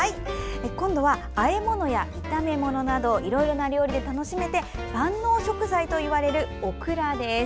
今度はあえ物や炒め物などいろいろな料理で楽しめて万能食材といわれるオクラです。